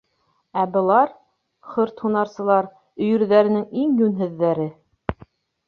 Ә былар... хөрт һунарсылар, өйөрҙәренең иң йүнһеҙҙәре.